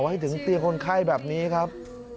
ให้ถึงเตียงคนไข้แบบนี้ครับ